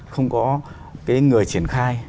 không có cái người triển khai